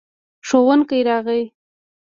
ښوونکی راغی.